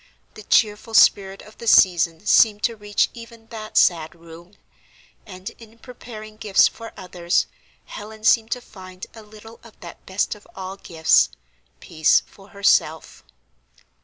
The cheerful spirit of the season seemed to reach even that sad room; and, in preparing gifts for others, Helen seemed to find a little of that best of all gifts,—peace for herself.